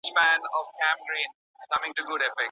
په قلم لیکنه کول د پوهي د ژورتیا سبب ګرځي.